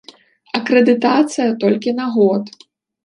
Акрэдытацыя толькі на год.